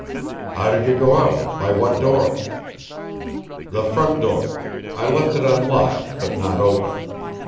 "How did you go out by what door?" "The front door. I left it unlocked, but not open.